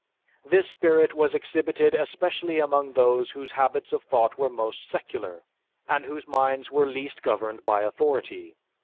This spirit was exhibited especially among those whose habits of thought were most secular, and whose minds were least governed by authority."